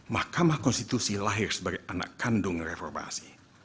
mahkamah konstitusi lahir sebagai anak kandung reformasi